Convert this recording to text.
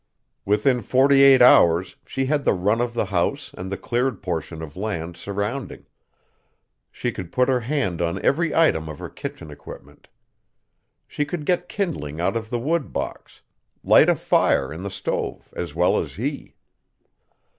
Within forty eight hours she had the run of the house and the cleared portion of land surrounding. She could put her hand on every item of her kitchen equipment. She could get kindling out of the wood box; light a fire in the stove as well as he.